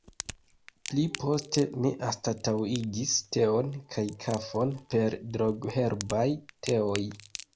Pli poste mi anstataŭigis teon kaj kafon per drogherbaj teoj.